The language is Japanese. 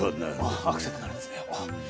あっアクセントになるんですね。